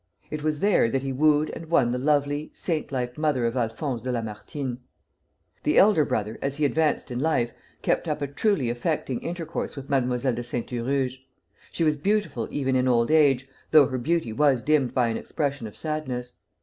It was there that he wooed and won the lovely, saint like mother of Alphonse de Lamartine. The elder brother, as he advanced in life, kept up a truly affecting intercourse with Mademoiselle de Saint Huruge. She was beautiful even in old age, though her beauty was dimmed by an expression of sadness.